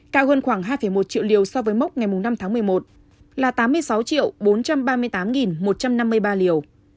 cao hơn khoảng hai một triệu liều so với mốc ngày năm tháng một mươi một là tám mươi sáu bốn trăm ba mươi tám một trăm năm mươi ba liều